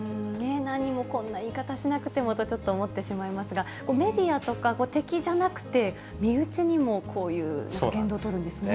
何もこんな言い方しなくてもと、ちょっと思ってしまいますが、メディアとか、敵じゃなくて、身内にもこういう言動取るんですね。